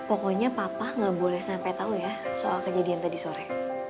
tapi pokoknya papa gak boleh sampai tau ya soal kejadian tadi sore